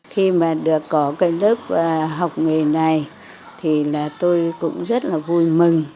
khi mà được có cái lớp học nghề này thì là tôi cũng rất là vui mừng